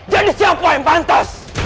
jadi siapa yang pantas